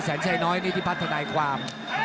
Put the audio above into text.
แสนชัยน้อยนิธิพัฒนาความ